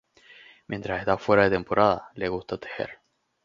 Mientras está fuera de temporada, le gusta tejer.